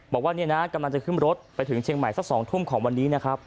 บอกว่ากำลังจะขึ้นรถไปถึงเชียงใหม่สัก๒ทุ่มของวันนี้